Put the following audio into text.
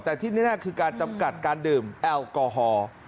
แต่ที่แน่คือการจำกัดการดื่มแอลกอฮอล์